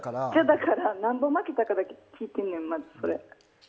だからなんぼ負けたかだけ聞いてんねん。